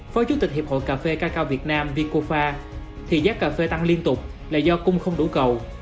phó chủ tịch hiệp hội cà phê ca cao việt nam vy kuo pha thì giá cà phê tăng liên tục là do cung không đủ cầu